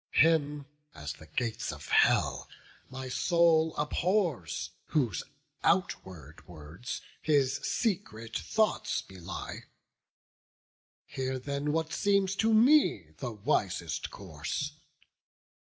Him as the gates of hell my soul abhors, Whose outward words his secret thoughts belie, Hear then what seems to me the wisest course.